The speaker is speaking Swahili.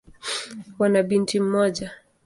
Wana binti mmoja.